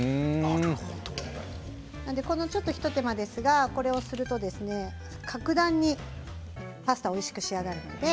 ちょっと一手間ですがこれをすると格段にパスタがおいしく仕上がっていきます。